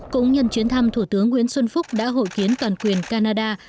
cũng nhân chuyến thăm thủ tướng nguyễn xuân phúc đã hội kiến toàn quyền canada